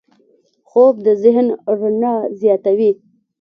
خوب د ذهن رڼا زیاتوي